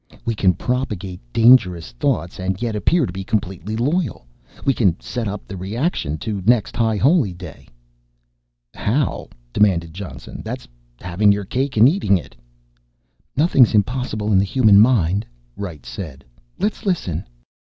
"We can propagate 'dangerous' thoughts and yet appear completely loyal. We can set up the reaction to next High Holy Day." "How?" demanded Johnson. "That's having your cake and eating it." "Nothing's impossible in the human mind," Wright said. "Let's listen."